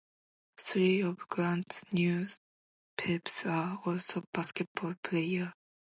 Three of Grant's nephews are also basketball players.